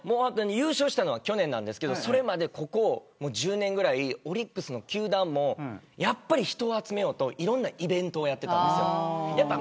優勝したのは去年ですがそれまで、ここ１０年ぐらいオリックスの球団も人を集めようといろんなイベントをやっていました。